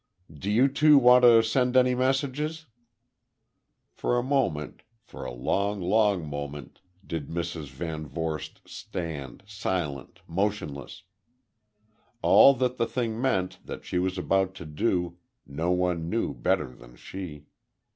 "Do you two want to send any messages?" For a moment for a long, long moment did Mrs. VanVorst stand, silent, motionless. All that the thing meant that she was about to do, no one knew better than she.